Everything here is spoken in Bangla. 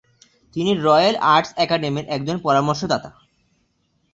তিনি রয়েল আর্টস একাডেমির একজন পরামর্শদাতা।